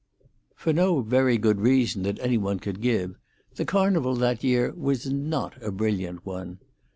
For no very good reason that any one could give, the Carnival that year was not a brilliant one.